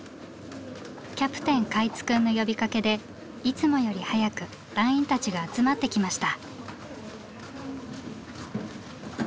キャプテン海津くんの呼びかけでいつもより早く団員たちが集まってきました。